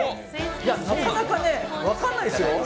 なかなかね、分かんないですよ。